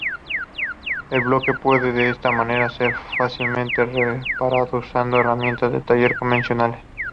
El bloque puede, de esta manera, ser fácilmente reparado, usando herramientas de taller convencionales.